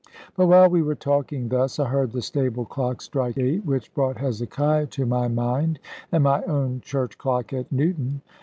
But while we were talking thus, I heard the stable clock strike eight, which brought Hezekiah to my mind, and my own church clock at Newton.